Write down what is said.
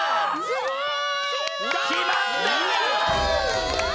すごい！